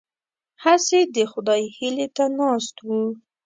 هسې د خدای هیلې ته ناست وو.